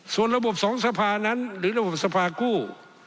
ส่วนระบบสองสภานั้นหรือระบบสภากู้